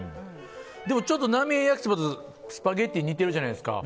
でも、ちょっとなみえ焼そばとスパゲッティ似てるじゃないですか。